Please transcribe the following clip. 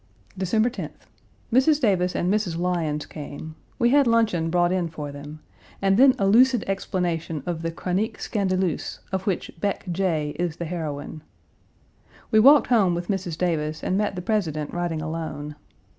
December 10th. Mrs. Davis and Mrs. Lyons came. We had luncheon brought in for them, and then a lucid explanation of the chronique scandaleuse, of which Beck J. is the heroine. We walked home with Mrs. Davis and met the President riding alone.